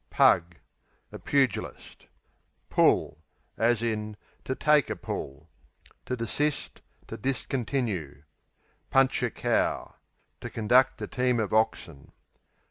Pug A pugilist. Pull, to take a To desist; to discontinue. Punch a cow To conduct a team of oxen.